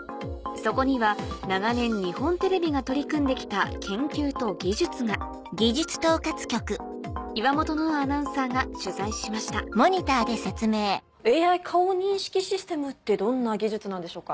そこには長年日本テレビが取り組んで来た研究と技術が岩本乃蒼アナウンサーが取材しましたＡＩ顔認識システムってどんな技術なんでしょうか？